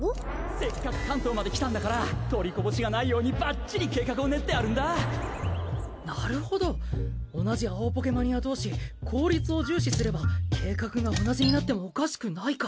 せっかくカントーまで来たんだから取りバッチリ計画を練ってあるんだなるほど同じ青ポケマニアどうし効率を重視すれば計画が同じになってもおかしくないか。